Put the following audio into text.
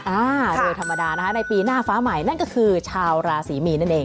อ่าโดยธรรมดานะคะในปีหน้าฟ้าใหม่นั่นก็คือชาวราศรีมีนนั่นเอง